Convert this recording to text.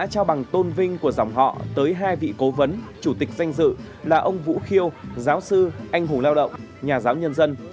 trao bằng tôn vinh của dòng họ tới hai vị cố vấn chủ tịch danh dự là ông vũ khiêu giáo sư anh hùng lao động nhà giáo nhân dân